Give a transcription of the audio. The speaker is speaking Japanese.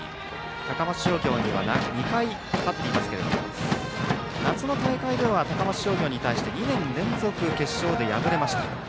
高松商業には２回勝っていますが夏の大会では高松商業に対して２年連続、決勝で敗れました。